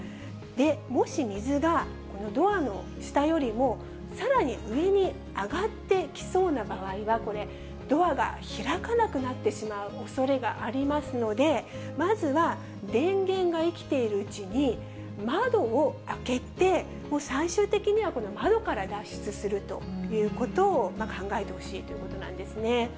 もし水がドアの下よりもさらに上に上がってきそうな場合は、これ、ドアが開かなくなってしまうおそれがありますので、まずは電源が生きているうちに窓を開けて、最終的にはこの窓から脱出するということを考えてほしいということなんですね。